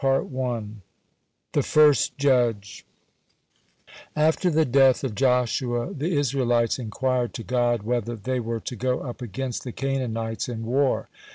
THE JUDGES THE FIRST JUDGE After the death of Joshua the Israelites inquired to God whether they were to go up against the Canaanites in war.